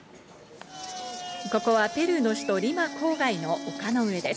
ここはペルーの首都リマ郊外の丘の上です。